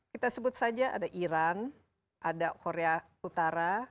kita sebut saja ada iran ada korea utara